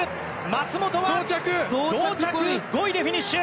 松元は同着５位でフィニッシュ。